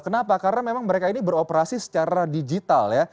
karena memang mereka ini beroperasi secara digital ya